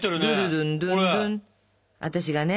私がね